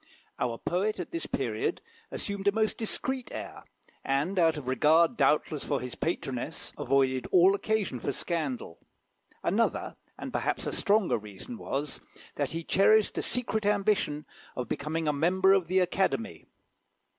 Our poet at this period assumed a most discreet air, and out of regard, doubtless, for his patroness, avoided all occasion for scandal. Another, and perhaps a stronger reason was, that he cherished a secret ambition of becoming a member of the Academy.